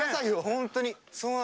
本当に。